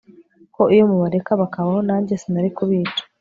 ko iyo mubareka bakabaho nanjye sinari kubica